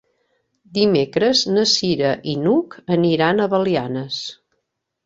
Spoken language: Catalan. Dimecres na Cira i n'Hug aniran a Belianes.